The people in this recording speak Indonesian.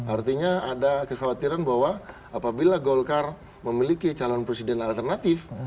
artinya ada kekhawatiran bahwa apabila golkar memiliki calon presiden alternatif